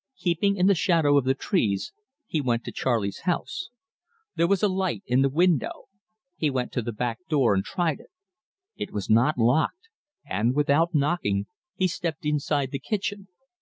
Keeping in the shadow of the trees, he went to Charley's house. There was a light in a window. He went to the back door and tried it. It was not locked, and, without knocking, he stepped inside the kitchen.